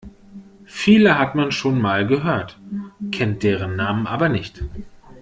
Viele hat man schon mal gehört, kennt deren Namen aber nicht.